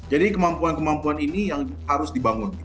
jadi kemampuan kemampuan ini yang harus dibangun